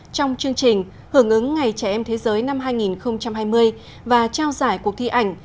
trong chương trình hưởng ứng ngày trẻ em thế giới năm hai nghìn hai mươi và trao giải cuộc thi ảnh